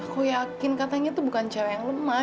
aku yakin katanya itu bukan cara yang lemah